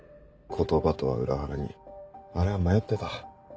言葉とは裏腹にあれは迷ってた。